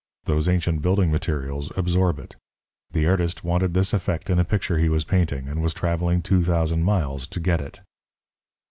Those ancient building materials absorb it. The artist wanted this effect in a picture he was painting, and was traveling two thousand miles to get it.